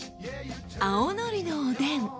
青のりのおでん。